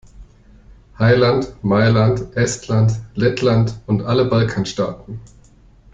Heiland, Mailand, Estland, Lettland und alle Balkanstaaten!